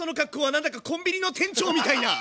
何だかコンビニの店長みたいな。